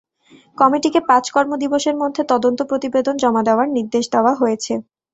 কমিটিকে পাঁচ কর্মদিবসের মধ্যে তদন্ত প্রতিবেদন জমা দেওয়ার নির্দেশ দেওয়া হয়েছে।